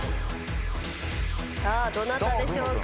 さあどなたでしょうか？